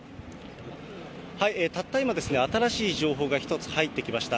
たった今、新しい情報が１つ入ってきました。